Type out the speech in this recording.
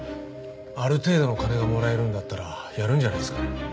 ある程度の金がもらえるんだったらやるんじゃないですかね。